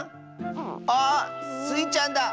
あっスイちゃんだ。